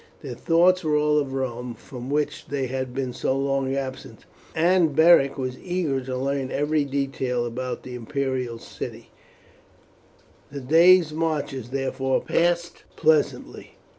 Their thoughts were all of Rome, from which they had been so long absent, and Beric was eager to learn every detail about the imperial city; the days' marches therefore passed pleasantly.